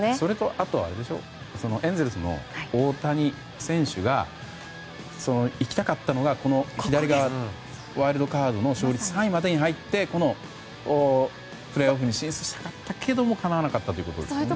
あとはエンゼルスの大谷選手が行きたかったのがワイルドカードの勝率３位までに入りプレーオフに進出したかったけどもかなわなかったということですね。